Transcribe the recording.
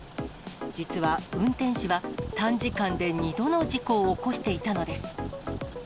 実は運転手は、短時間で２度の事故を起こしていたのです。